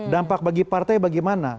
dampak bagi partai bagaimana